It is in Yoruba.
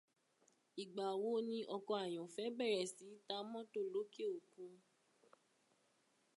Ìgbà wo ni ọkọ Àyànfẹ́ bèèrè sí ta mọ́tò lókè òkun?